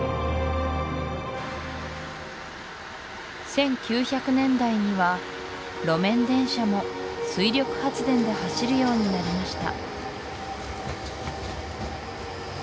１９００年代には路面電車も水力発電で走るようになりました